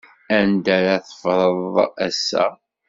Anda ara tfeḍreḍ assa?